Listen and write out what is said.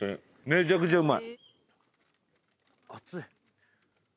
めちゃくちゃうまい。